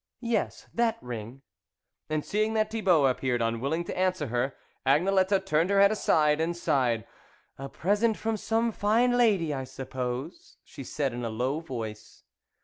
" Yes, that ring," and seeing that Thibault appeared unwilling to answer her, Agne lette turned her head aside, and sighed. " A present from some fine lady, I sup pose," she said in a low voice.